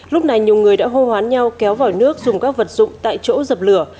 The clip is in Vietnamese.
lúc này nhiều người đã hô hoán nhau kéo vỏ nước dùng các vật dụng tại chỗ dập lửa